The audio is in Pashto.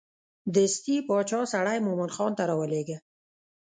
دستې باچا سړی مومن خان ته راولېږه.